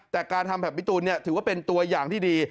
แต่การทำแบบพี่ตูนถือว่าเป็นตัวอย่างที่ดี